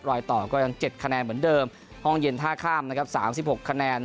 รอยต่อก็ยัง๗คะแนนเหมือนเดิมห้องเย็นท่าข้ามนะครับ๓๖คะแนน